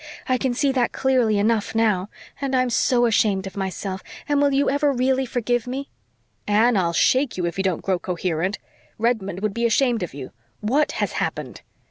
I can see that clearly enough now and I'm so ashamed of myself and will you ever really forgive me?" "Anne, I'll shake you if you don't grow coherent. Redmond would be ashamed of you. WHAT has happened?"